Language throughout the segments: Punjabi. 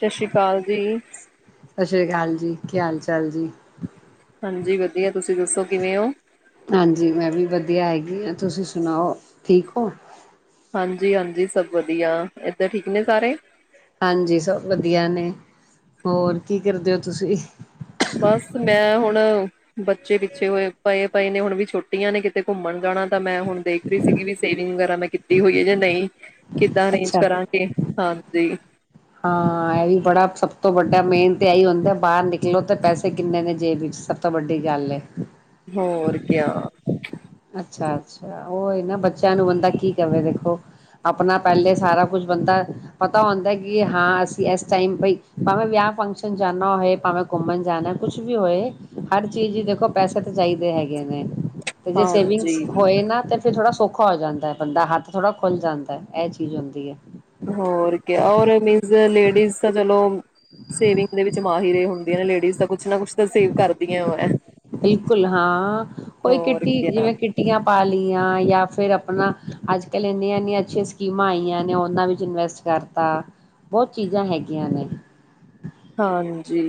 ਸ਼ਸ਼੍ਰੀ ਕਾਲ ਜੀ। ਸਤਿ ਸ਼੍ਰੀ ਅਕਾਲ ਜੀ ਕੀ ਹਾਲ ਚਾਲ ਜੀ। ਹਾਂਜੀ ਵਧੀਆ ਤੁਸੀਂ ਦੱਸੋ ਕਿਵੇਂ ਓ? ਧੀਆ ਹੈਗੀ ਆ। ਤੁਸੀਂ ਸੁਣਾਓ, ਠੀਕ ਓ? ਹਾਂਜੀ ਹਾਂਜੀ ਸਭ ਵਧੀਆ। ਏਧਰ ਠੀਕ ਨੇ ਸਾਰੇ? ਹਾਂਜੀ ਸਭ ਵਧੀਆ ਨੇ। ਹੋਰ ਕੀ ਕਰਦੇ ਓ ਤੁਸੀਂ? ਬਸ ਮੈਂ ਹੁਣ ਬੱਚੇ ਪਿੱਛੇ ਹੋਏ ਪਏ ਪਏ ਨੇ, ਹੁਣ ਵੀ ਛੁੱਟੀਆਂ ਨੇ ਕਿਤੇ ਘੁੰਮਣ ਜਾਣਾ, ਤਾਂ ਮੈਂ ਹੁਣ ਦੇਖ ਰਹੀ ਸੀਗੀ ਵੀ ਸੇਵਿੰਗ ਵਗੈਰਾ ਮੈਂ ਕੀਤੀ ਹੋਈ ਐ ਜਾਂ ਨਹੀਂ। ਕਿੱਦਾਂ ਅਰੇਂਜ ਅੱਛਾ ਕਰਾਂਗੇ ਹਾਂਜੀ। ਹਾਂ, ਐਹ ਵੀ ਬੜਾ ਸਭ ਤੋਂ ਵੱਡਾ ਮੇਨ ਤੇ ਐਈ ਹੁੰਦਾ, ਬਾਹਰ ਨਿਕਲੋ ਤੇ ਪੈਸੇ ਕਿੰਨੇ ਨੇ ਜੇਬ ਇੱਚ। ਸਭ ਤੋਂ ਵੱਡੀ ਗੱਲ ਏ। ਹੋਰ ਕਿਆ। ਅੱਛਾ ਅੱਛਾ, ਓ ਈ ਨਾ ਬੱਚਿਆਂ ਨੂੰ ਬੰਦਾ ਕੀ ਕਵੇ ਦੇਖੋ। ਆਪਣਾ ਪਹਿਲੇ ਸਾਰਾ ਕੁਛ ਬੰਦਾ ਪਤਾ ਹੁੰਦੈ, ਕਿ ਹਾਂ ਅਸੀਂ ਇਸ ਟਾਈਮ ਵਈ ਭਾਂਵੇ ਵਿਆਹ ਫੰਕਸ਼ਨ ਜਾਣਾ ਹੋਏ, ਭਾਵੇਂ ਘੁੰਮਣ ਜਾਣਾ, ਕੁਛ ਵੀ ਹੋਏ, ਹਰ ਚੀਜ਼ ਲੀ ਦੇਖੋ ਪੈਸੇ ਤੇ ਚਾਹੀਦੇ ਹੈਗੇ ਨੇ। ਤੇ ਜੇ ਹਾਂਜੀ, ਸੇਵਿੰਗਸ ਹੋਏ ਨਾ, ਫਿਰ ਥੋੜਾ ਸੋ ਖਾ ਹੋ ਜਾਂਦਾ ਬੰਦਾ। ਹੱਥ ਥੋੜਾ ਖੁੱਲ ਜਾਂਦੈ, ਐਹ ਚੀਜ਼ ਹੁੰਦੀ ਐ। ਹੋਰ ਕਿਆ, ਔਰ ਮੀਨਜ਼ ਲੇਡੀਜ਼ ਤਾਂ ਚਲੋ ਸੇਵਿੰਗ ਦੇ ਵਿੱਚ ਮਾਹਿਰ ਏ ਹੁੰਦ ਦੀਆਂ ਨੇ ਲੇਡੀਜ਼ ਤਾਂ ਕੁਛ ਨਾ ਕੁੱਛ ਤਾਂ ਸੇਵ ਕਰਦੀਆਂ ਵੈਂ। ਬਿਲਕੁਲ ਹਾਂ ਕੋਈ ਕਿੱਟੀ ਕਿਆ। ਜਿਵੇਂ ਕਿੱਟੀਆਂ ਪਾ ਲਈ ਜਾਂ ਫਿਰ ਆਪਣਾ ਅੱਜ ਕੱਲ ਇੰਨੀਆਂ ਇਨੀਆਂ ਅੱਛੀਆਂ ਸਕੀਮਾਂ ਆਈਆਂ ਨੇ, ਉਹਨਾਂ ਵਿੱਚ ਇਨਵੈਸਟ ਕਰਤਾ ਬਹੁਤ ਚੀਜ਼ਾਂ ਹੈਗੀਆਂ ਨੇ। ਹਾਂਜੀ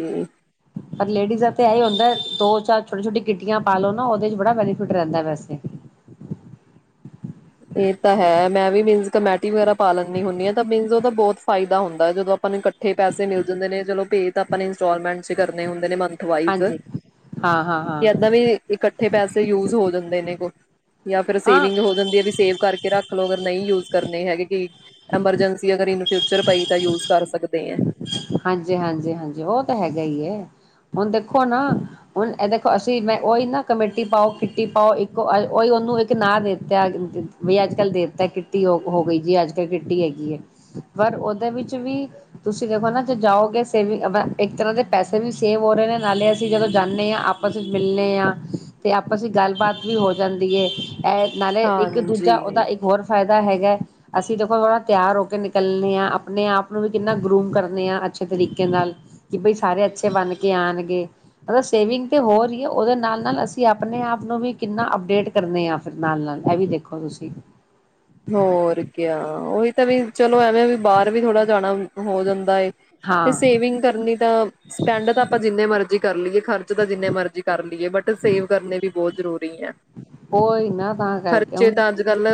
ਪਰ ਲੇਡੀਜ਼ ਦਾ ਤੇ ਇਹੀ ਹੁੰਦਾ ਦੋ ਚਾਰ ਛੋਟੀ ਛੋਟੀ ਕਿੱਟੀਆਂ ਪਾਲੋ ਨਾ ਉਹਦੇ 'ਚ ਬੜਾ ਬੈਨੀਫਿਟ ਰਹਿੰਦਾ ਵੈਸੇ ਇਹ ਤਾਂ ਹੈ ਮੈਂ ਵੀ ਮੀਨਸ ਕਮੇਟੀ ਵਗੈਰਾ ਪਾ ਲੈਂ ਹੁੰਦੀ ਆਾਂ ਤਾਂ ਮੀਨਸ ਉਹਦਾ ਬਹੁਤ ਫਾਇਦਾ ਹੁੰਦਾ ਹੈ ਜਦੋਂ ਆਪਾਂ ਨੂੰ ਇਕੱਠੇ ਪੈਸੇ ਮਿਲ ਜਾਂਦੇ ਨੇ ਜਦੋ ਪੇ ਤਾਂ ਆਪਾਂ ਇੰਸਟਾਲਮੈਂਟ 'ਚ ਕਰਨੇ ਹੁੰਦੇ ਨੇ। ਹਾਂਜੀ ਹਾਂ ਹਾਂ ਹਾਂ ਏਦਾਂ ਵੀ ਇਕੱਠੇ ਪੈਸੇ ਯੂਜ ਹੋ ਜਾਂਦੇ ਨੇ। ਜਾਂ ਫਿਰ ਹਾਂ ਸੇਵਿੰਗ ਹੋ ਜਾਂਦ ਵੀ ਸੇਵ ਕਰਕੇ ਰੱਖ ਲਓ ਅਗਰ ਨਹੀਂ ਯੂਜ ਕਰਨੇ ਹੈਗੇ ਕਿ ਐਮਰਜੈਂਸੀ ਅਗਰ ਇਨੂੰ ਫਿਊਚਰ ਪਾਈ ਤਾਂ ਯੂਜ ਕਰ ਸਕਦੇ ਆ। ਹਾਂਜੀ -ਹਾਂਜੀ- ਹਾਂਜੀ ਉਹ ਤਾਂ ਹੈਗਾ ਹੀ ਹੁਣ ਦੇਖੋ ਨਾ ਹੁਣ ਇਹ ਦੇਖੋ ਅਸੀਂ ਮੈਂ ਉਹੀ ਨਾ ਕਮੇਟੀ ਪਾਓ ਕਿੱਟੀ ਪਾਓ ਇੱਕ ਉਹੀ ਉਹਨੂੰ ਇੱਕ ਨਾਂ ਦੇ ਦਿੱਤਾ ਵੀ ਅੱਜ ਕੱਲ ਦੇਤਾ ਕਿੱਟੀ ਹੋ ਹੋ ਗਈ ਜੀ ਅੱਜ ਕੱਲ ਕਿੱਟੀ ਹੈਗੀ ਹੈ ਪਰ ਉਹਦੇ ਵਿੱਚ ਵੀ ਤੁਸੀਂ ਤੁਸੀਂ ਦੇਖੋ ਨਾ ਜੇ ਜਾਓਗੇ ਸੇਵਿੰਗ ਇੱਕ ਤਰ੍ਹਾਂ ਦੇ ਪੈਸੇ ਵੀ ਸੇਵ ਹੋ ਰਹੇ ਨੇ ਨਾਲੇ ਅਸੀਂ ਜਦੋਂ ਜਾਂਦੇ ਹਾਂ ਆਪਸ ਵਿੱਚ ਮਿਲਣੇ ਹਾਂ ਤੇ ਆਪਸ ਵਿਚ ਗੱਲਬਾਤ ਵੀ ਹੋ ਜਾਂਦੀ ਏ। ਇ ਨਾਲੇ ਇੱਕ ਦੂਜਾ ਉਹਦਾ ਹਾਂਜੀ ਇੱਕ ਹੋਰ ਫਾਇਦਾ ਦਾ ਹੈਗਾ ਅਸੀਂ ਦੇਖੋ ਥੋੜਾ ਤਿਆਰ ਹੋ ਕੇ ਨਿਕਲਣੇ ਆ ਆਪਣੇ ਆਪ ਨੂੰ ਵੀ ਕਿੰਨਾ ਗਰੂਮ ਕਰਨੇ ਆ ਅੱਛੇ ਤਰੀਕੇ ਨਾਲ ਕਿ ਬਈ ਸਾਰੇ ਅੱਛੇ ਬਣ ਕੇ ਆਉਣਗੇ ਮਤਲਬ ਸੇਵਿੰਗ ਤਾਂ ਹੋਰ ਹੀ ਆ ਉਹਦੇ ਨਾਲ ਨਾਲ ਅਸੀਂ ਆਪਣੇ ਆਪ ਨੂੰ ਵੀ ਕਿੰਨਾ ਅਪਡੇਟ ਕਰਨੇ ਹ ਫ ਨਾਲ ਨਾਲ ਇਹ ਵੀ ਦੇਖੋ ਤੁਸੀਂ ਹੋਰ ਕਿਆ ਉਹੀ ਤਾਂ ਵੀ ਚਲੋ ਐਵੇਂ ਵੀ ਬਾਹਰ ਵੀ ਥੋੜਾ ਜਾਣਾ ਹੋ ਜਾਂਦਾ ਏ। ਤੇ ਹਾਂ ਸੇਵਿੰਗ ਕਰਨੀ ਤਾਂ ਸਪੈਂਡ ਤਾਂ ਆਪਾਂ ਜਿੰਨੇ ਮਰਜੀ ਕਰ ਲਈਏ ਖਰਚ ਤਾਂ ਜਿੰਨੇ ਮਰਜੀ ਕਰ ਲਈਏ ਬਟ ਸੇਵ ਕਰਨੇ ਵੀ ਬਹੁਤ ਜ਼ਰੂਰ ਉਹੀ ਨਾ ਤਾਂ [inaudible] ਕਰਕੇ ਖਰਚੇ ਹੁਣ ਤਾਂ ਅੱਜ- ਕੱਲ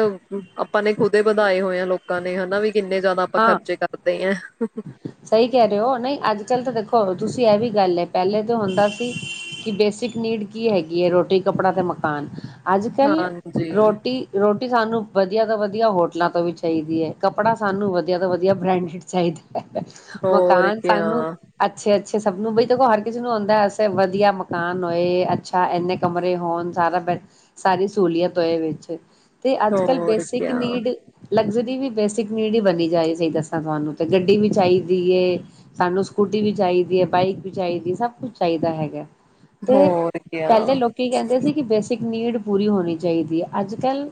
ਆਪਾਂ ਨੇ ਖੁਦ ਵਧਾਏ ਹੋਏ ਆ ਲੋਕਾਂ ਨੇ ਹਨਾ ਵੀ ਕਿੰਨੇ ਜ਼ਿਆਦਾ ਆਪਾਂ ਹਾਂ ਖਰਚੇ ਕਰਦੇ ਆਂ। ਸਹੀ ਕਹਿ ਰਹੇ ਹੋ ਨਹੀਂ ਅੱਜ ਕੱਲ ਤਾਂ ਦੇਖੋ ਤੁ ਤੁਸੀਂ ਇਹ ਵੀ ਗੱਲ ਹੈ ਪਹਿਲੇ ਤਾਂ ਹੁੰਦਾ ਸੀ ਕਿ ਬੇਸਿਕ ਨੀਡ ਕੀ ਹੈਗੀ ਹੈ ਰੋਟੀ ਕੱਪੜਾ ਤੇ ਮਕਾਨ ਅੱਜ ਕੱਲ੍ਹ ਹਾਂਜੀ ਰੋਟੀ ਰੋਟੀ ਸਾਨੂੰ ਵਧੀਆ ਤੋਂ ਵਧੀਆ ਹੋਟਲਾਂ ਤੋਂ ਵੀ ਚਾਹੀਦੀ ਹੈ ਕੱਪੜਾ ਸਾਨੂੰ ਵਧੀਆ ਤੋਂ ਵਧੀਆ ਬ੍ਰੈਂਡਡ ਚਾਹੀਦਾ। ਹੋਰ ਮਕਾਨ ਕਿਆ ਸਾਨੂੰ ਅੱਛੇ ਅ ਅੱਛਾ ਸਭ ਨੂੰ ਬਈ ਦੇਖੋ ਹਰ ਕਿਸੇ ਨੂੰ ਆਉਂਦਾ ਸੇ ਵਧੀਆ ਮਕਾਨ ਹੋਏ ਅੱਛਾ ਇੰਨੇ ਕਮਰੇ ਹੋਣ ਸਾਰਾ ਸਾਰੀ ਸਹੂਲੀਅਤ ਹੋਏ ਵਿਚ। ਤੇ ਅੱਜ ਕੱਲ੍ਹ ਹੋਰ ਬੇਸਿਕ ਕਿਆ ਨੀਡ ਲਗਜ ਦੀ ਵੀ ਬੇਸਿਕ ਨੀਡ ਹੀ ਬਣੀ ਜਾਏ ਸਹੀ ਦੱਸਾਂ ਤੁਹਾਨੂੰ ਤੇ ਗੱਡੀ ਵੀ ਚਾਹੀਦੀ ਹੈ, ਸਾਨੂੰ ਸਕੂਟੀ ਵੀ ਚਾਹੀਦੀ ਹੈ, ਬਾਈਕ ਵੀ ਚਾਹੀਦੀ ਹੈ, ਸਭ ਕੁਛ ਚਾਹੀਦਾ ਹੈਗਾ। ਤੇ ਹੋਰ ਕਿਆ ਪਹਿਲੇ ਲੋਕੀ ਕਹਿੰਦੇ ਸੀ ਕਿੇ ਇਕ ਨੀਡ ਪੂਰੀ ਹੋਣੀ ਚਾਹੀਦੀ ਹੈ ਅੱਜ ਕੱਲ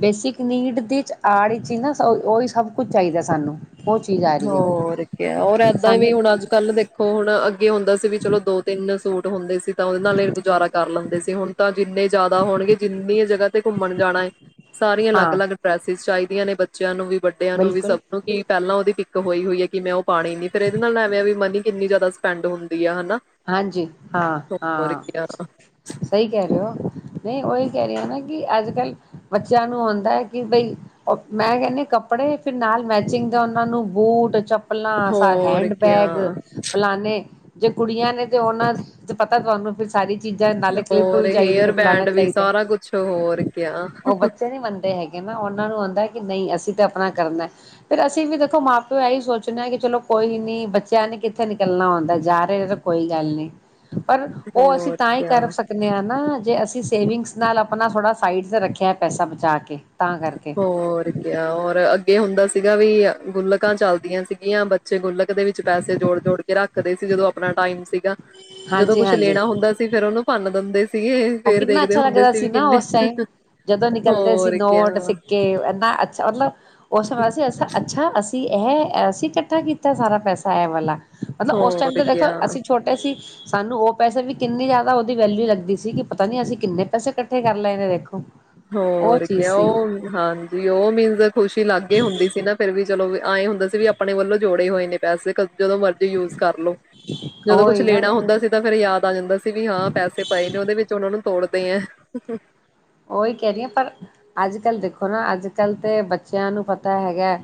ਬੇਸਿਕ ਨੀਡ ਦੇ ਆੜ ਹੀ ਨਾ ਉਹੀ ਸਭ ਕੁਛ ਚਾਹੀਦਾ ਸਾਨੂੰ ਉਹ ਚੀਜ਼ ਆ ਰਹੀ ਹੈ ਹੋਰ ਕਿਆ ਹੋਰ ਇਏਦਾਂ ਵੀ ਸਾਨੂੰ ਹੁਣ ਅੱਜ ਕੱਲ੍ਹ ਦੇਖੋ ਹੁਣ ਅੱਗੇ ਹੁੰਦਾ ਸੀ। ਵੀ ਚਲੋ ਦੋ ਤਿੰਨ ਸੂਟ ਹੁੰਦੇ ਸੀ। ਤਾਂ ਉਹਦੇ ਨਾਲ ਗੁਜ਼ਾਰਾ ਕਰ ਲੈਂਦੇ ਸੀ ਹੁਣ ਤਾਂ ਜਿੰਨੇ ਜ਼ਿਆਦਾ ਹੋਣਗੇ ਜਿੰਨੀਆਂ ਜਗ੍ਹਾ ਤੇ ਘੁੰਮਣ ਜਾਣਾ ਹੈ ਸਾਰੀਆਂ ਅਲੱਗ ਹਾਂ ਅਲੱਗ ਡਰੈਸਿਸ ਚਾਹੀ ਵੇਲੇ ਬੱਚਿਆਂ ਨੂੰ ਵੀ ਵੱਡਿਆਂ ਨੂੰ ਵੀ, ਬਿਲਕੁਲ ਸਭ ਨੂੰ, ਕੀ ਪਹਿਲਾਂ ਉਹਦੀ ਹੋਈ-ਹੋਈ ਹੈ, ਕਿ ਮੈਂ ਉਹ ਪਾਣੀ ਨੀ ਫੇਰ ਇਹਦੇ ਨਾਲ ਐਵੇ ਵੀ ਮਨੀ ਕਿੰਨੀ ਜ਼ਿਆਦਾ ਸਪੈਂਡ ਹੁੰਦੀ ਹੈ ਹਨਾ। ਹਾਂਜੀ, ਹੋਰ ਹਾਂ-ਹਾਂ ਕਿਆ ਸਹੀ ਕਹਿ ਰਹੇ ਹੋ। ਨਹੀਂ, ਉਹੀ ਕਹਿ ਰਹੀਆਂ ਨਾ ਕਿ ਅੱਜ ਕੱਲ੍ਹ ਬੱਚਿਆਂ ਨੂੰ ਆਉਂਦਾ ਹੈ ਕਿ ਬਈ ਮੈਂ ਕਹਿੰਦੀ ਕੱਪੜੇ ਫਿਰ ਨਾਲ ਮੈਚਿੰਗ ਦੇ ਉਹਨਾਂ ਨੂੰ ਬੂਟ ਚੱਪ ਫਲਾ, ਹੋਰ ਹੈਂਡ ਕਿਆ ਬੈਗ ਫਲਾਾਨਣੇ ਕੁੜੀਆਂ ਨੇ ਤੇ ਉਹਨਾਂ ਤੇ ਪਤਾ ਤੁਹਾਨੂੰ ਫਿਰ ਸਾਰੀ ਚੀਜ਼ਾਂ ਨਾਲੇ ਕਲਿੱਪ ਹੋਰ ਵੀ ਚਾਹੀਦੇ ਤੇ ਹੇਅਰ ਫਲਾਣਾ ਬੈਂਡ ਵੀ ਚਾਹੀਦਾ ਸਾਰਾ ਕੁਛ ਹੋਰ ਕਿਹਾ। ਉਹ ਬੱਚੇ ਨਹੀਂ ਮੰਨਦੇ ਹੈਗੇ ਉਹਨਾਂ ਨੂੰ ਆਉਂਦਾ ਕਿ ਨਹੀਂ ਅਸੀਂ ਤੇ ਆਪਣਾ ਕਰਨਾ ਫਿਰ ਅਸੀਂ ਵੀ ਦੇਖੋ ਮਾਂ-ਪਿਓ ਇਹੀ ਸੋਚਨਾ ਹੈ ਕਿ ਚਲੋ ਕੋਈ ਨੀ ਬੱਚਿਆਂ ਨੇ ਕਿੱਥੇ ਨਿਕਲਣਾ ਆਉਂਦਾ। ਤੇ ਕੋਈ ਗੱਲ ਨੀ। ਪਰ ਉਹ ਅਸੀਂ ਹੋਰ ਤਾਂ ਹੀ ਕਿਆ ਕਰ ਸਕਦੇ ਹਾਂ ਨਾ ਜੇ ਅਸੀਂ ਸੇਵਿੰਗਸ ਨਾਲ ਆਪਣਾ ਥੋੜਾ ਸਾਈਡ ਰੱਖਿਆ ਪੈਸਾ ਬਚਾ ਕੇ। ਤਾਂ ਕਰਕੇ ਹੋਰ ਕੀਹਾ, ਹੋਰ ਅੱਗ ਇਹ ਹੁੰਦਾ ਸੀਗਾ, ਵੀ ਗੁਲਕਾਂ ਚੱਲਦੀਆਂ ਸੀਗੀਆਂ ਬੱਚੇ ਗੁੱਲਕ ੳਹਦੇ ਵਿੱਚ ਪੈਸੇ ਜੋੜ-ਜੋੜ ਕੇ ਰੱਖਦੇ ਸੀ, ਜਦੋਂ ਆਪਣਾ ਟਾਈਮ ਸੀਗਾ ਜਦੋਂ ਹਾਂਜੀ ਕੁਛ ਹਾਂਜੀ ਲੈਣਾ ਹੁੰਦਾ ਸੀ ਫੇਿਰ ਉਹਨੂੰ ਭੰਨ ਬੰਦੇ ਸੀਗੇ ਉਹ ਫੇਰ ਕਿੰਨਾ ਦੇਖਦੇ ਅੱਛਾ ਹੁੰਦੇ ਲੱਗਦਾ ਸੀ ਵੀ ਨਾ ਕਿੰਨੇ ਹੋਰ ਕਿਆ ਓਲਡ ਸਿੱਕੇ ਇਨਾ ਅੱਛਾ ਮਤਲਬ ਉਸ ਸਮੇ ਬਸ ਅੱਛਾ, ਅਸੀਂ ਇਹ ਅਸੀਂ ਇਕੱਠਾ ਕੀਤਾ ਸਾਰਾ ਪੈਸਾ ਇਹ ਵਾਲਾ। ਮਤਲਬ, ਉਸ ਟਾਈਮ ਹੋਰ ਤੇ ਦੇਖੋ ਕਿਆ ਅਸੀਂ ਛੋਟੇ ਸੀ। ਸਾਨੂੰ ਉਹ ਪੈਸੇ ਵੀ ਕਿੰਨੀ ਜ਼ਿਆਦਾ ਉਹਦੀ ਵੈਲਿਊ ਲੱਗਦੀ ਸੀਗੀ। ਪਤਾ ਨੀ, ਅਸੀਂ ਕਿੰਨੇ ਪੈਸੇ ਇਕੱਠੇ ਕਰ ਲਏ ਨੇ ਦੇਖੋ। ਉਹ ਹੋਰ ਕ ਚੀਜ਼ ਸੀ ਉਹ ਹਾਂਜੀ ਉਹ ਮੀਨਸ ਖੁਸ਼ੀ ਲਾਗੇ ਹੀ ਹੁੰਦੀ ਸੀ ਨਾ ਫਿਰ ਵੀ ਚਲੋ। ਆਏ ਹੁੰਦਾ ਸੀ, ਵੀ ਆਪਣੇ ਵੱਲੋਂ ਜੋੜੇ ਹੋਏ ਨੇ ਪੈਸੇ ਜਦੋਂ ਮਰਜ਼ ਯੂਜ ਕਰਲੋ ਜਦੋਂ ਕੁਛ ਉਹੀ ਨਾ ਲੈਣਾ, ਹੁੰਦਾ ਸੀ ਤਾਂ ਫੇਿਰ ਯਾਦ ਪੈ ਜਾਂਦਾ। ਉਥੇ ਵੀ ਹਾਂ ਪੈਸੇ ਪਾਏ ਨੇ ਉਹਦੇ ਵਿੱਚ ਉਹਨਾਂ ਨੂੰ ਤੋੜ ਤੇ ਉਹੀ ਕਹਿ ਰਹੀਆਂ ਪਰ ਅੱਜ-ਕੱਲ ਦੇਖੋ ਨਾ ਅੱਜ-ਕੱਲ ਤੇ ਬੱਚਿਆਂ ਨੂੰ ਪਤਾ ਹੈਗਾ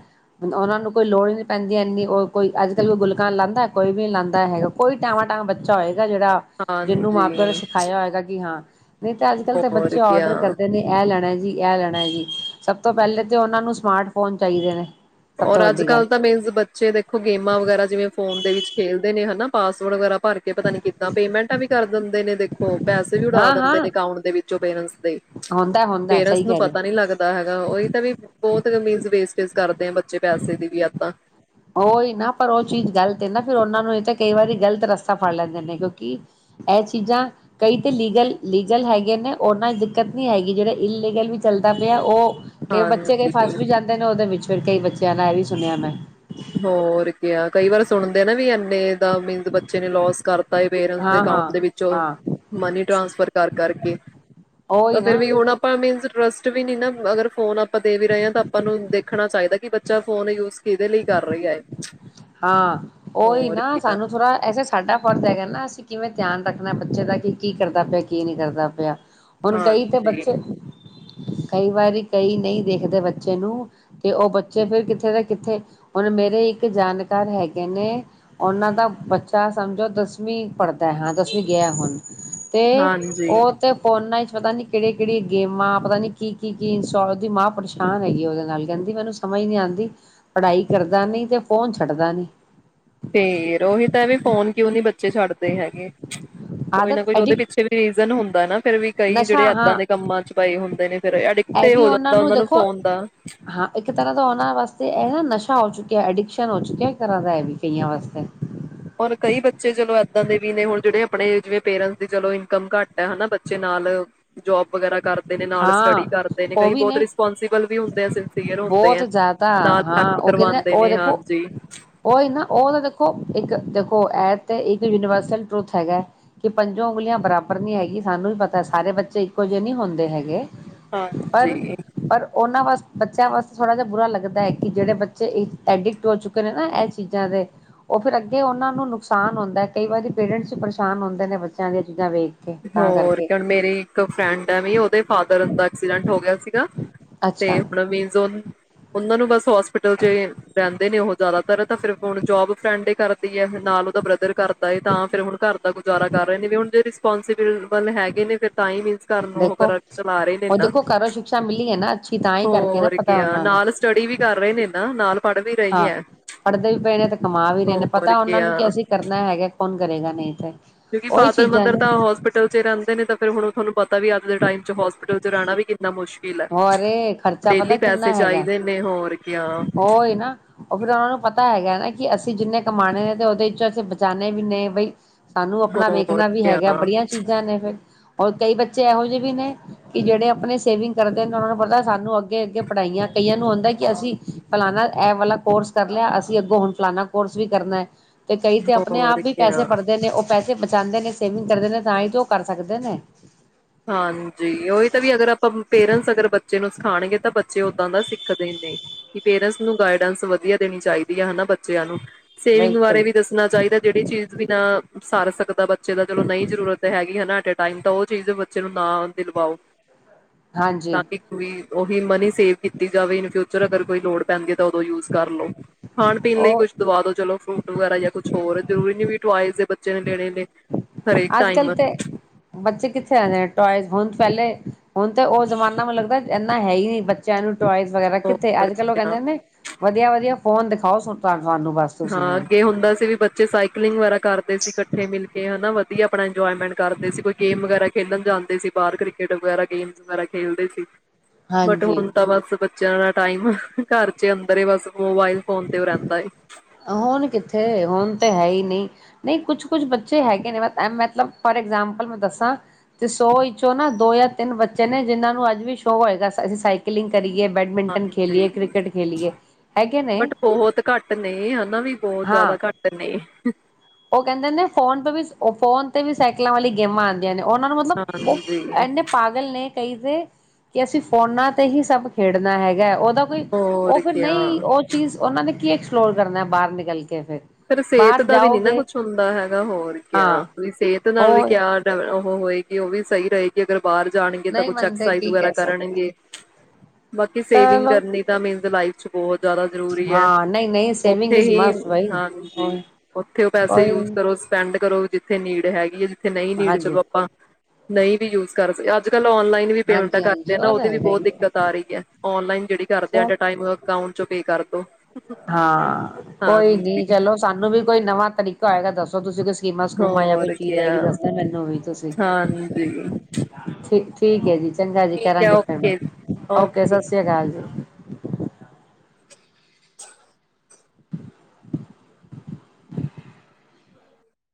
ਉਹਨਾਂ ਨੂੰ ਕੋਈ ਲੋੜ ਹੀ ਨਹੀ ਪੈਂਦੀ ਇੰਨੀ, ਉਹ ਕੋਈ ਅੱਜ-ਕੱਲ ਕੋਈ ਗੁਲਕਾਂ ਲਾਉਦਾ ਕੋਈ ਵੀ ਲਾਉਦਾ ਹੈਗਾ, ਕੋਈ ਟਾਵਾਂ-ਟਾਵਾ ਬੱਚਾ ਹੋਏਗਾ। ਯਾ ਜਿਹੜਾ ਜਿਹਨੂੰ ਮਾਂ- ਪਿਓ ਨੇ ਹਾਂਜੀ। ਸਿਖਾਇਆ ਹੋਏਗਾ ਕਿ ਹਾਂ ਨਹੀਂ ਤਾਂ ਅੱਜ-ਕੱਲ ਤਾਂ ਹੋਰ ਬੱਚੇ ਕਿਆ ਔਡਰ ਕਰਦੇ ਨੇ ਐਲ ਲੈਣਾ ਜੀ, ਇਹ ਲੈਣਾ ਜੀ, ਸਭ ਤੋਂ ਪਹਿਲੇ ਤੇ ਉਹਨਾਂ ਨੂੰ ਸਮਾਰਟ ਫੋਨ ਚਾਹੀਦੇ ਨੇ। ਸਭ ਔਰ ਤੋਂ ਵੱਡੀ ਗੱਲ ਅੱਜ-ਕੱਲ ਤਾਂ ਮੀਨਸ ਬੱਚੇ ਦੇਖੋ ਗੇਮਾਂ ਵਗੈਰਾ ਜਿਵੇਂ ਫੋਨ ਦੇ ਵਿੱਚ ਖੇਲਦੇ ਨੇ ਹਨਾ। ਪਾਸਵਰਡ ਵਗੈਰਾ, ਭਰ ਕੇ ਪਤਾ ਨੀ ਕਿੱਦਾਂ ਪੇਮੈਂਟਾਂ ਵੀ ਕਰ ਦਿੰਦੇ ਨੇ ਦੇਖੋ, ਪੈਸੇ ਵੀ ਉਡਾ ਹਾਂ ਦਿੰਦੇ ਹਾਂ ਨੇ ਅਊਂਟ ਦੇ ਵਿੱਚੋਂ ਪੇਰੈਂਟਸ ਦੇ ਹੁੰਦਾ ਹੁੰਦਾ ਸਹੀ ਪੇਰੈਂਟਸ ਨੂੰ ਕਹਿ ਰਹੇ ਪਤਾ ਨੀ ਲੱਗਦਾ ਹੈਗਾ, ਉਹੀ ਤਾਂ ਵੀ ਬਹੁਤ ਮੀਨਸ ਵੇਸਟ [unintelligible] ਕਰ, ਬੱਚੇ ਪੈਸੇ ਦੀ ਵੀ ਏਦਾਂ, ਉਹੀ ਨਾ ਪਰ ਉਹ ਚੀਜ਼ ਗ਼ਲਤ ਹੈ, ਨਾ ਫਿਰ ਉਹਨਾਂ ਨੂੰ ਇਹ ਤਾਂ ਕਈ ਵਾਰੀ ਗ਼ਲਤ ਰਸਤਾ ਫੜ ਲੈਂਦੇ ਨੇ ਕਿਉਂਕਿ ਇਹ ਚੀਜ਼ਾਂ ਕਈ ਤੇ ਲੀਗਲ ਲੀਗਲ ਹੈਗੇ, ਨੇ ਉਹਨਾਂ ਦਿੱਕਤ ਨੀ ਹੈਗੀ ਜਿਹੜੇ ਇਲੀਗਲ ਵੀ ਚੱਲਦਾ ਪਿਆ ਉਹ ਕਈ ਬੱਚੇ ਕਈ ਹਾਂਜੀ ਫਸ ਵੀ ਜਾਂਦੇ ਨੇ ਉਹਦੇ ਵਿੱਚ, ਫਿਰ ਕਈ ਬੱਚਿਆਂ ਨਾਲ ਇਹ ਵੀ ਸੁਣਿਆ ਮੈਂ, ਹੋਰ ਕਿਆ ਕਈ ਵਾਰ ਸੁਣਦੇ ਨਾ ਵੀ ਐ ਫੇਰ, ਮੀਨਸ ਬੱਚੇ ਨੇ ਲੋਸ ਕਰਤਾ ਪੇਰੈਂਟਸ ਦੇ ਹਾਂ ਹਾਂ ਅਕਾਊਂਟ ਦੇ ਵਿੱਚੋ ਹਾਂ ਮਨੀ ਟ੍ਰਾਂਸਫਰ ਕਰ ਕਰਕੇ ਤਾਂ ਉਹੀ ਫੇਰ ਨਾ ਵੀ ਹੁਣ ਆਪਾਂ ਮੀਨਸ ਟਰਸਟ ਵੀ ਨੀ ਨਾ ਅਗਰ ਫੋਨ ਆ ਆਪਾਂ ਦੇ ਵੀ ਰਹੇ ਹਾਂ ਤਾਂ ਆਪਾਂ ਨੂੰ ਦੇਖਣਾ ਚਾਹੀਦਾ, ਕਿ ਬੱਚ ਬੱਚਾ ਫੋਨ ਯੂਜ ਕਿਦੇ ਲਈ, ਕਰ ਰਹੀ ਐ। ਹਾਂ ਉਹੀ ਨਾ ਸਾਨੂੰ ਥੋੜਾ ਐਸੇ ਸਾਡਾ, ਹੋਰ ਤੇ ਕਰ ਨਾ ਅਸੀਂ ਕਿਵੇਂ ਧਿਆਨ ਰੱਖਣਾ ਬੱਚੇ ਦਾ ਕਿ ਕੀ ਕਰਦਾ ਪਿਆ ਕੀ ਨਹੀਂ ਕਰਦਾ ਪਿਆ। ਹੁਣ ਕਈ ਤਾਂ ਹਾਂਜੀ ਬੱਚੇ, ਕਈ ਵਾਰੀ ਕਈ ਨਹੀਂ ਦੇਖਦੇ ਬੱਚੇ ਨੂੰ ਤੇ ਉਹ ਬੱਚੇ ਫਿਰ ਕਿੱਥੇ ਦਾ ਕਿੱਥੇ ਹੁਣ ਮੇਰੇ ਇੱਕ ਜਾਨ ਕਾਰ ਹੈਗੇ, ਨੇ ਉਹਨਾਂ ਦਾ ਬੱਚਾ ਸਮਝੋ ਦਸਵੀਂ ਪੜ੍ਹਦਾ ਹਾਂ ਦਸਵੀਂ ਗਿਆ ਹੁਣ ਤੇ ਹਾਂਜੀ ਉਹ ਤੇ ਫੋਨਾ ਚ ਪਤਾ ਨੀ ਕਿਹੜੀਆ-ਕਿਹੜੀਆਂ ਗੇਮਾਂ ਪਤਾ ਨੀ ਕੀ-ਕੀ-ਕੀ ਇਨਸਟੋਲ ਮਾਂ ਪਰੇਸ਼ਾਨ ਹੈਗੀ, ਉਹਦੇ ਨਾਲ ਕਹਿੰਦੀ ਮੈਨੂੰ ਸਮਝ ਨੀ ਆਦੀ ਪੜ੍ਹਾਈ ਕਰਦਾ ਨੀ ਤੇ ਫੋਨ ਛੱਡਦਾ ਨੀ, ਫੇਰ ਔਹੀ ਤਾਂ ਇਹ ਵੀ ਫੋਨ ਕਿਉਂ ਨੀ ਬ ਬੱਚੇ ਛੱਡਦੇ ਹੈਗੇ। ਕੋਈ ਨਾ ਆਦਤ ਕੋਈ ਉਹਦੇ ਐਡਿਕਟ ਪਿੱਛੇ ਵੀ ਰੀਜਨ ਹੁੰਦਾ ਨਾ ਫਿਰ ਵੀ ਕਈ ਨਸ਼ਾ ਜਿੜੇ ਦਾਂ ਹਾਂ ਦੇ ਕੰਮਾਂ ਚ ਪਏ ਹੁੰਦੇ, ਨੇ ਫਿਰ ਅਡਿਕਟ ਇਹ ਵੀ ਹੋ ਜਾਂਦਾ ਉਹਨਾਂ ਨੂੰ ਦੇਖੋ ਫੋਨ ਦਾ' ਅੱਛਾ ਹੋ ਚੁੱਕਿਆ ਅਡਿਕਸ਼ਨ ਹੋ ਚੁੱਕਿਆ ਘਰਾ ਦਾ ਐ ਵੀ ਕਈਆਂ ਵਾਸਤੇ। ਔਰ ਕਈ ਬੱਚੇ ਚਲੋ ਏਦਾਂ ਦੇ ਵੀ ਨੇ ਹੁਣ ਜਿਹੜੇ ਆਪਣੇ ਜਿਵੇਂ ਪੇਰੈਂਟਸ ਦੀ ਚਲੋ ਇਨਕਮ ਘੱਟ ਹੈ, ਹਨਾ ਬੱਚੇ ਨਾਲ ਜੋਬ ਵਗੈਰਾ ਕਰਦੇ ਨੇ ਨਾਲ ਸਟੱਡੀ ਹਾਂ ਕਰਦੇ ਨੇ ਉਹ ਕਈ ਵੀ ਬਹੁਤ ਰਿਸਪੋਂਸੀਬਲ ਵੀ ਹੁੰਦੇ ਆ ਸਿੰਸੀਅਰ ਹੁੰਦੇ, ਬਹੁਤ ਆ ਜ਼ਿਆਦਾ ਨਾਲ ਹਾਂ ਹੈਲਪ ਉਹ ਕਹਿੰਦੇ ਕਰਵਾਦੇ ਉਹ ਨੇ ਦੇਖੋ ਹਾਂਜੀ, ਉਹੀ ਨਾ ਉਹ ਤਾਂ ਦੇਖੋ ਇੱਕ ਦੇਖੋ ਇਹ ਤੇ ਇੱਕ ਯੂਨੀਵਰਸਲ ਟਰੁਥ ਹੈਗਾ, ਕਿ ਪੰਜੋਂ ਉਂਗਲੀਆਂ ਬਰਾਬਰ ਨੀ ਹੈਗੀ ਸਾਨੂੰ ਵੀ ਪਤਾ ਸਾਰੇ ਬੱਚੇ ਇੱਕੋ ਜਿਹੇ ਨਹੀਂ ਹੁੰਦ ਦੇ ਹੈਗੇ, ਪਰ ਹਾਂਜੀ, ਪਰ ਉਹਨਾਂ ਵਾਸ ਬੱਚਿਆਂ ਵਾਸਤੇ ਥੋੜ੍ਹਾ ਜਿਹਾ ਬੁਰਾ ਲੱਗਦਾ ਹੈ, ਕਿ ਜਿਹੜੇ ਬੱਚੇ ਐਡਿਕਟ ਹੋ ਚੁੱਕੇ ਨੇ ਨਾ ਇਹ ਚੀਜ਼ਾਂ ਦੇ ਉਹ ਫਿਰ ਅੱਗੇ ਉਹਨਾਂ ਨੂੰ ਨੁਕਸਾਨ ਹੁੰਦਾ ਕਈ ਵਾਰੀ ਪੇਰੈਂਟਸ ਵੀ ਪਰੇਸ਼ਾਨ ਹੁੰਦੇ ਨੇ ਬੱਚਿਆਂ ਦੀਆਂ ਚੀਜ਼ਾਂ ਵੇ ਹੋਰ ਕਿਉ ਹੁਣ ਮੇਰੀ ਇੱਕ ਫਰੈਂਡ ਹੈ ਵੀ, ਉਦੇ ਫਾਦਰ ਦਾ ਐਕਸੀਡੈਂਟ ਹੋ ਗਿਆ ਸੀਗਾ। ਤੇ ਅੱਛਾ ਹੁਣ ਮੀਨਜ ਔਨੁੰ, ਉਹਨਾਂ ਨੂੰ ਬਸ, ਹੋਸਪਿਟਲ ਚ ਰਹਿੰਦੇ ਨੇ ਉਹ ਜ਼ਿਆਦਾ ਇਹ ਤਾ ਫਿਰ ਹੁਣ ਜੋਬ ਫਰੈਂਡ ਹੀ ਕਰਦੀ ਹੈ ਨਾਲ ਉਹਦਾ ਬ੍ਰਦਰ ਕਰਦਾ ਏ, ਤਾਂ ਫਿਰ ਹੁਣ ਘਰ ਦਾ ਗੁਜ਼ਾਰਾ ਕਰ ਰਹੇ ਨੇ ਵੀ ਹੁਣ ਜੇ ਤਾਂ ਰਿਸਪਾਂਸੀਬਲ ਹੈਗੇ ਨੇ, ਫਿਰ ਤਾਂ ਹੀ ਵੀ ਘਾਰ ਨੂੰ ਦੇਖੋ ਵਗੈਰਾ ਚਲਾ ਰਹੇ ਨੇ ਉਹ ਨਾ ਦੇਖੋ ਘਰੋਂ ਸ਼ਿਕਸ਼ਾ ਮਿਲੀ ਹੈ ਨਾ ਅੱਛੀ ਤਾਂ ਹੀ ਕਰਕੇ ਨਾ ਹੋਰ ਪਤਾ ਕਿ ਉਹਨਾਂ ਨੂੰ ਨਾਲ ਸਟਡੀ ਵੀ ਕਰ ਰਹੇ ਨੇ। ਨਾਲ। ਪੜ੍ਹ ਵੀ ਰਹੀ ਹਾਂ, ਹੈ ਪੜ੍ਹਦੇ ਵੀ ਪਏ ਨੇ ਤੇ ਕਮਾ ਵੀ ਰਹੇ ਨੇ, ਹੋਰ ਪਤਾ ਉਹਨਾਂ ਨੂੰ ਕਿਆ ਕੀ ਅਸੀਂ ਕਰਨਾ ਹੈਗਾ। ਕੋਨ ਕਰੇਗਾ ਨਹੀਂ ਤੇੇ? ਕਿਉਂਕਿ, ਫਾਦਰ-ਮਦਰ ਤਾਂ ਹੋਸਪਿਟਲ ਚ ਰਹਿੰਦੇ ਨੇ ਫਿਰ ਹੁਣ ਤੁਹਾਨੂੰ ਪਤਾ ਵੀ ਅੱਜ ਦੇ ਟਾਈਮ ਚ ਹੋਸਪਿਟ ਚ ਰਹਿਣਾ ਵੀ ਕਿੰਨਾ ਮੁਸ਼ਕਿਲ ਹੈ ਹੋਰੇ ਖਰਚਾ ਪਤਾ ਡੇਲੀ ਕਿੰਨਾ ਪੈਸੇ ਹੈਗਾ? ਚਾਹੀਦੇ ਨੇ ਹੋਰ ਕਿਆ ਉਹਈ ਨਾ ਉਹ ਫਿਰ ਉਹਨਾ ਨੂੰ ਪਤਾ ਪਤਾ ਹੈਗਾਾ ਕਿ ਅਸੀਂ ਜਿੰਨੇ ਕਮਾਉਣੇ ਨੇ, ਤੇ ਉਹਦੇ ਚੋਂ ਅਸੀਂ ਬਚਾਨੇ ਵੀ ਨੇ, ਬਈ ਸਾਨੂੰ ਆਪਣਾ ਹੋਰ ਵੇਖਣਾ ਵੀ ਕਿਆ ਹੈਗਾ, ਬੜੀਆਂ ਚੀਜ਼ਾਂ ਨੇ ਫਿਰ ਔਰ ਕਈ ਬੱਚੇ ਇਹੋ ਜੇਹੇ ਵੀ ਨੇ ਕਿ ਜਿਹੜੇ ਆਪਣੇ ਸੇਵਿੰਗ ਕਰਦੇ ਨੇ, ਉਹਨਾਂ ਨੂੰ ਪਤਾ ਸਾਨੂੰ ਅੱਗੇ-ਅੱਗੇ ਪੜ੍ਹਾਈਆਂ, ਕਈਆਂ ਨੂੰ ਹੁੰਦਾ ਕਿ ਅਸੀਂ ਫਲਾਨਾ ਐ ਵਾਲਾ ਕੋਰਸ ਕਰ ਲਿਆ, ਅਸੀਂ ਅੱਗੋਂ ਹੁਣ ਫਲਾਨਾ ਕੋਰਸ ਵੀ ਕਰਨਾ ਹੈ। ਤੇ ਕਈ ਤੇ ਆਪਣੇ ਆਪ ਹੋਰ ਵੀ ਪੈਸੇ ਕਿਆ ਭਰਦੇ ਨੇ ਉਹ ਪੈਸੇ ਚਾਹਦੇ ਨੇ, ਸੇਵਿੰਗ ਕਰਦੇ ਨੇ ਤਾਂ ਹੀ ਤਾਂ ਉਹ ਕਰ ਸਕਦੇ ਨੇ। ਹਾਂਜੀ ਉਹੀ ਤਾਂ ਵੀ ਅਗਰ ਆਪਾਂ ਪੇਰੈਂਟਸ ਅਗਰ ਬੱਚੇ ਨੂੰ ਸਿਖਾਉਣਗੇ ਤਾਂ ਬੱਚੇ ਓਦਾਂ ਦਾ ਸਿੱਖਦੇ ਨੇ ਕਿ ਪੇਰੈਂਟਸ ਨੂੰ ਗਾਈਡੈਂਸ ਵਧੀਆ ਦੇਣੀ ਚਾਹੀਦੀ ਹੈ, ਹਨਾ ਬੱਚਿਆਂ ਨੂੰ। ਸੇਵਿੰਗ ਬਾਰੇ ਬਿਲਕੁਲ ਵੀ ਦੱਸਣਾ ਚਾਹੀਦਾ, ਜਿਹੜੀ ਚੀਜ਼ ਵੀ ਨਾ ਸਾਰ ਸਕ [unintelligible] ਤਾਂ ਚਲੋ ਨਹੀਂ ਜ਼ਰੂਰਤ ਤੇ ਹੈਗੀ ਹੈ ਨਾ। ਟਾਈਮ ਤਾਂ ਉਹ ਚੀਜ਼ ਬੱਚੇ ਨੂੰ ਨਾ ਦਿਲਵਾਓ ਹਾਂਜੀ ਤ ਕਿ ਕੋਈ ਉਹੀ ਮਨੀ ਸੇਵ ਕੀਤੀ ਜਾਵੇ ਇਨ ਫਿਊਚਰ ਅਗਰ ਕੋਈ ਲੋੜ ਪੈਂਦੀ ਤਾਂ ਉਦੋਂ ਯੂਜ ਕਰ ਲੋ। ਖਾਣ-ਪੀਣ ਲਈ ਉਹ ਕੁਛ ਦਵਾ ਦੋ ਚਲੋ, ਫਰੂਟ ਗੁਬਾਰਾ ਯਾ ਕੁਛ ਹੋਰ ਜ਼ਰੁਰੀ ਨੀ ਵੀ ਟੋਇਜ ਦੇ ਬੱਚੇ ਨੇ ਲੇਣੇ ਨੇ। ਹਰੇਕ ਅੱਜ ਟਾਈਮ -ਕੱਲ੍ਹ ਤੇ ਬੱਚੇ ਕਿੱਥੇ ਆਦੇ ਟੋਇਜ ਹੁਣ ਪਹਿਲੇ ਹੁਣ ਤੇ ਉਹ ਜ਼ਮਾਨਾ ਮੈਨੂੰ ਲੱਗਦਾ ਇਨਾ ਹੈ ਹੀ ਨੀ ਬੱਚਿਆਂ ਨੂੰ ਟੋਇਜ ਵਗੈਰਾ ਕਿੱਥੇ ਹੋਰ ਅੱਜ-ਕੱਲ ਉਹ ਕਿਆ। ਕਹਿੰਦੇ ਨੇ ਵਧੀਆ-ਵਧੀਆ ਫੋਨ ਦਿਖਾਓ ਸਾ। ਹਾਂ ਅੱਗੇ ਹੁੰਦਾ ਸੀ ਵੀ ਬੱਚੇ ਸਾਈਕਲਿੰਗ ਵਗੈਰਾ ਕਰਦੇ ਸੀ ਇਕੱਠੇ ਮਿਲ ਕੇ ਹਨਾ। ਵਧਿਆ ਆਪਣਾ ਇੰਜੋਏਮੈਂਟ ਕਰਦੇ ਸੀ ਕੋਈ ਗੇਮ ਵਗੈਰਾ, ਖੇਡਣ ਜਾਂਦੇ ਸੀ, ਬਾਹਰ ਕ੍ਰਿਕਟ ਵਗੈਰਾ, ਗੇਮ ਵਗੈਰਾ ਖੇਡਦੇ ਸੀ। ਬਟ, ਹਾਂਜੀ ਹੁਣ ਤਾਂ ਬਸ ਚਿਆਨਾ ਟਾਈਮ ਘਰ ਚ ਅੰਦਰ ਈ ਬਸ ਮੋਬਾਇਲ ਫੋਨ ਤੇ ਔ ਰਹਿੰਦਾ ਏ। ਹੁਣ ਕਿੱਥੇ ਹੁਣ ਤੇ ਹੈ ਈ ਨਈ। ਨਈ ਕੁਛ-ਕੁਛ ਬੱਚੇ ਹੈਗੇ ਨੇ ਮਤ ਐ ਮਤਲਬ ਫੋਰ ਐਗਜਾਮਪਲ ਮੈਂ ਦੱਸਾਂ ਤੇ ਸੌ ਵਿੱਚੋਂ ਨਾ ਦੋ ਯਾਂ ਤਿੰਨ ਬੱਚੇ ਨੇ ਜਿੰਨਾਂ ਨੂੰ ਅੱਜ ਵੀ ਸ਼ੌਕ ਹੋਏਗਾ ਅਸ ਅਸੀ ਸਾਈਕਲਿੰਗ ਕਰੀ ਏ, ਬੈਡਮਿੰਟਨ ਖੇਲੀਏ, ਹਾਂਜੀ ਕ੍ਰਿਕਟ ਖੇਲੀਏ ਹੈਗੇ ਨੇ। ਇਹ ਹੂੰਦਾ ਵੀ ਬਹੁਤ ਹਾਂ ਜ਼ਿਆਦਾ ਘੱਟ ਨੇ। ਕਹਿੰਦੇ ਨੇ ਫੋਨ ਪੇ ਵੀ ਉਹ ਫੋਨ ਤੇ ਵੀ ਸਾਈਕਲਾਂ ਵਾਲੀ ਗੇਮਾਂ ਆਂਦੀਆਂ ਨੇ। ਔਨਾਂ ਨੂੰ ਮਤਲਬ ਔ ਹਾਂਜੀ ਐਨੇ ਪਾਗਲ ਨੇ ਕਈ ਤੇ ਕਿ ਅਸੀਂ ਫੋਨਾ ਤੇ ਹੀ ਸਭ ਖੇਡਣਾ ਹੈਗੈ ਔ ਦਾ ਕੋਈ ਔ ਹੋਰ ਫਿਰ ਕਿਆ ਨਈ ਔ ਚੀਜ਼ ਔਨਾਂ ਨੇ ਕੀ ਐਕਸ ਪਲੋਰ ਕਰਨੈ ਬਾਹਰ ਨਿਕਲ ਕੇ ਫਿਰ ਫੇਰ ਸੇਤ ਬਾਹਰ ਦਾ ਵੀ ਨੀ ਨਾ ਜਾਓਗੇ ਕੁਛ ਹੁੰਦਾ ਹੈਗਾ ਹੋਰ ਕਿਆ ਹਾਂ ਵੀ ਸੇਤ ਨਾਲ ਵੀ ਉਹ ਕਿਆ [unintelligible] ਔ ਹੋਏਗੀ ਉਹ ਵੀ ਸਈ ਰਏਗੀ ਅਗਰ ਬਾਹਰ ਜਾਣਗੇ ਤਾਂ ਨਹੀਂ ਕੁਛ ਮੰਨਦੇ ਐਕਸਸਾਈਜ਼ ਕੀ ਵਗੈਰਾ ਕਹਿ ਸਕਦੇ ਕਰਣਗੇ, ਬਾਕੀ ਸੇਵਿੰਗ ਚਲੋ ਕਰਨੀ ਤਾਂ ਮੀਨਸ ਲਾਈਫ ਚ ਬਹੁਤ ਜ਼ਿਆਦਾ ਜ਼ਰੂਰੀ ਐ। ਹਾਂ ਨਹੀਂ ਨਹੀਂ ਸੇਵਿੰਗ ਉੱਥੇ ਇਜ਼ ਈ ਮਸਟ ਬਾਈ ਹਾਂਜੀ, ਉੱਥੇ ਔ ਪੈਸੇ ਕੋਈ ਯੂਜ ਕਰੋ, ਸਪੈਂਡ ਕਰੋ ਜਿ ਥੇ ਨੀਡ ਹੈਗੀ ਏ ਥੇ ਨਈ ਨੀਡ ਹਾਂਜੀ ਚਲੋ ਆਪਾਂ ਨਈ ਵੀ ਯੂਜ ਕਰ ਸਕ ਅੱਜ ਕੱਲ ਔਨਲਾਈਨ ਵੀ ਪੇਮਂਟਾ ਹਾਂਜੀ ਕਰਦੇ ਹਾਂਜੀ ਆ ਨਾ ਉਹ ਤਾਂ ਉਹਦੀ ਵੀ ਹੈਗਾ ਬਹੁਤ ਹੀ ਹੈ ਦਿੱਕਤ ਆ ਰੀ ਐ। ਔਨਲਾਈਨ ਜੇੜੀ ਕਰਦੇ ਆ ਐਟ ਚਲ ਏ ਟਾਈਮ ਅਕਾਉਂਟ ਚੋਂ ਪੇ ਕਰਦੋ। ਹਾਂ ਕੋਈ ਨੀ ਹਾਂ। ਚਲੋ ਸਾਨੂੰ ਵੀ ਕੋਈ ਨਵਾਂ ਤਰੀਕਾ ਹੋਏਗਾ ਦੱਸੋ ਤੁਸੀਂ ਕਿਸ ਸਕੀਮਾ ਸਕੂਮਾ ਯਾਂ ਕੋਈ ਹੋਰ ਚੀਜ਼ ਆਏਗੀ ਕਿਆ ਦੱਸਦਾ ਮੈਨੂੰ ਵੀ ਤੁਸੀ ਹਾਂਜੀ ਠੀ ਠੀਕ ਐ ਜੀ। ਚੰਗਾ ਜੀ ਠੀਕ ਹੈ ਕਰਾਂਗੇ ਫਿਰ। ਓਕੇ ਐਕੇ ਓਕੇ ਸਤਿ ਸ੍ਰੀ ਅਕਾਲ ਜੀ। [unintelligible]